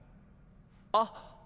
あっ。